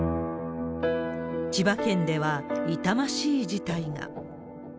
千葉県では、痛ましい事態が。